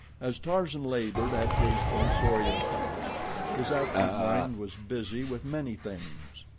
As Tarzan labored at his tonsorial task, his active mind was busy with many things.